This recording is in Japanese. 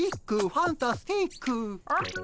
ファンタスティック！